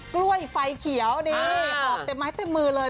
กล้วยไฟเขียวนี่หอบเต็มไม้เต็มมือเลย